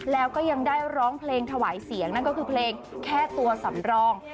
แล้วก็ยังได้ร้องเพลงถวายเสียงนั่นก็คือเพลงแค่ตัวสำรอง